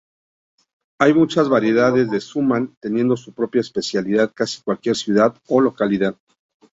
Hay muchas variedades de "suman", teniendo su propia especialidad casi cualquier ciudad o localidad.